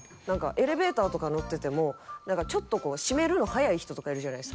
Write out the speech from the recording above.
エレベーターとか乗っててもちょっと閉めるの早い人とかいるじゃないですか。